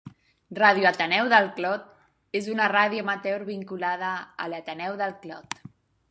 Ràdio Ateneu del Clot és una ràdio amateur vinculada a l'Ateneu del Clot.